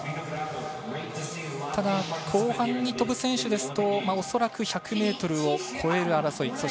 ただ、後半に飛ぶ選手ですと恐らく１００ｍを越える争い。